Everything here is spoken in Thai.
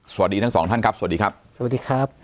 สวัสดีทั้งสองท่านครับสวัสดีครับสวัสดีครับ